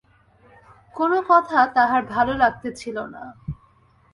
কোনো কথা তাহার ভালো লাগিতেছিল না।